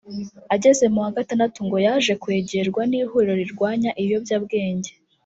Ageze mu wa gatandatu ngo yaje kwegerwa n’ihuriro rirwanya ibiyobyabwenge